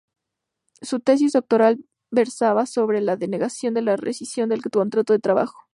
Su tesis doctoral versaba sobre "la denegación de la rescisión del contrato de trabajo".